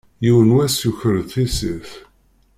Yiwen n wass yuker-d tissirt.